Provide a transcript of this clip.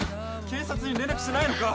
警察に連絡しないのか！？